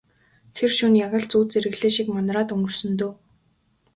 Тэр шөнө яг л зүүд зэрэглээ шиг манараад өнгөрсөн дөө.